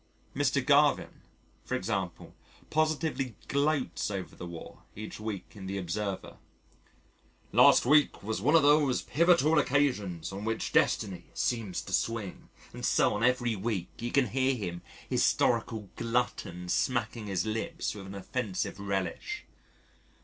Mr. Garvin, for example, positively gloats over the War each week in the Observer: "Last week was one of those pivotal occasions on which destiny seems to swing" and so on every week, you can hear him, historical glutton smacking his lips with an offensive relish.